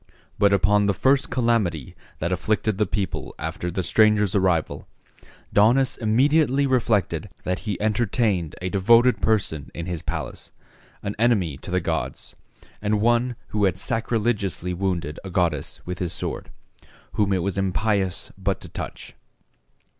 But upon the first calamity that afflicted the people after the stranger's arrival, Daunus immediately reflected that he entertained a devoted person in his palace, an enemy to the gods, and one who had sacrilegiously wounded a goddess with his sword, whom it was impious but to touch.